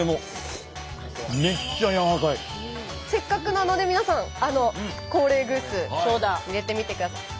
せっかくなので皆さんコーレーグース入れてみてください。